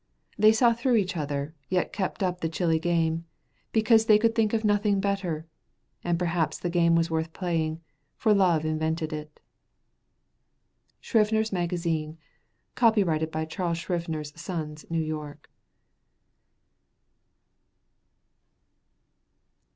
They saw through each other, yet kept up the chilly game, because they could think of nothing better; and perhaps the game was worth playing, for love invented it. Scribner's Magazine. Copyrighted by Charles Scribner's Sons, New York.